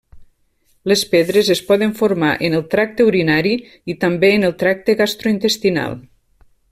Les pedres es poden formar en el tracte urinari i també en el tracte gastrointestinal.